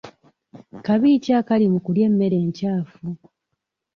Kabi ki akali mu kulya emmere enkyafu?